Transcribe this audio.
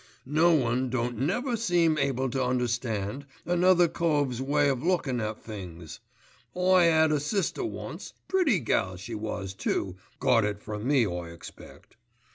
"No one don't never seem able to understand another cove's way o' lookin' at things. I 'ad a sister once, pretty gal she was, too, got it from me I expect.